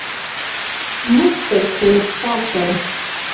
موږ خپل کور پاک کړ.